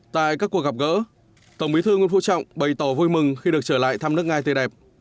tại các cuộc gặp gỡ tổng bí thư nguyễn phú trọng bày tỏ vui mừng khi được trở lại thăm nước nga tươi đẹp